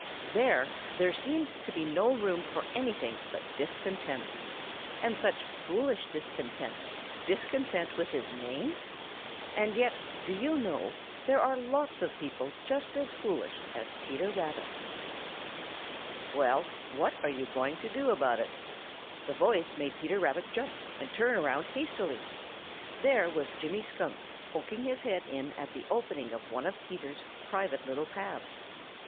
There there seeded to be no room for anything but discontent. And such foolish discontent discontent with his name! And yet, do you know, there are lots of people just as foolish as Peter Rabbit. "Well, what are you going to do about it?" The voice made Peter Rabbit jump and turn around hastily. There was Jimmy Skunk poking his head in at the opening of one of Peter's private little paths.